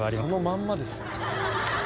そのまんまですね。